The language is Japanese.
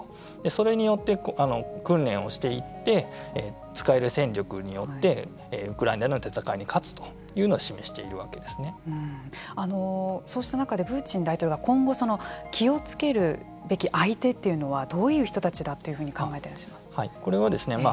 それによって、訓練をしていって使える戦力によってウクライナとの戦いに勝つというのをそうした中でプーチン大統領が今後気をつけるべき相手というのはどういう人たちだというふうにこれはですね